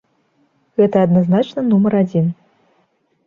Гэта адназначна нумар адзін.